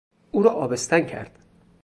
او را آبستن کرد.